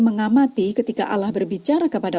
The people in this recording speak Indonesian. mengamati ketika allah berbicara kepada